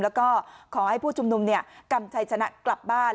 แล้วก็ขอให้ผู้ชุมนุมกำชัยชนะกลับบ้าน